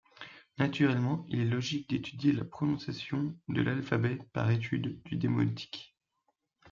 Naturellement, il est logique d'étudier la prononciation de l'alphabet par étude du démotique.